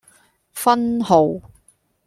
分號